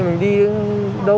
mình đi đâu đâu